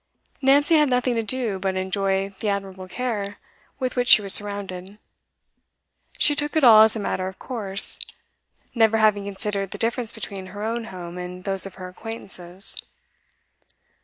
Nancy had nothing to do but enjoy the admirable care with which she was surrounded; she took it all as a matter of course, never having considered the difference between her own home and those of her acquaintances.